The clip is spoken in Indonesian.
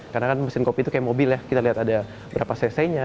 karena kan mesin kopi itu kayak mobil ya kita lihat ada berapa cc nya